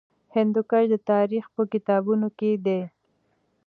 هندوکش د تاریخ په کتابونو کې دی.